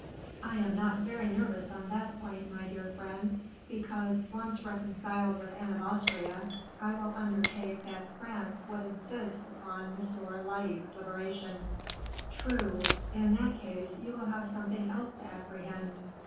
"I am not very nervous on that point, my dear friend; because, once reconciled with Anne of Austria, I will undertake that France would insist upon M. Laicques's liberation." "True. In that case, you will have something else to apprehend."